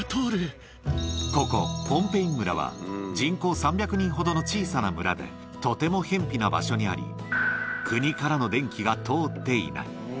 ここ、ポンペイン村は、人口３００人ほどの小さな村で、とてもへんぴな場所にあり、国からの電気が通っていない。